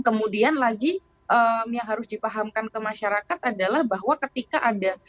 kemudian lagi yang harus dipahamkan ke masyarakat adalah bahwa ketika ada